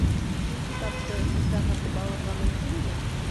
Был китапты һеҙҙә һатып алырға мөмкинме?